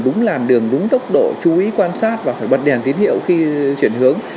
đúng làn đường đúng tốc độ chú ý quan sát và phải bật đèn tín hiệu khi chuyển hướng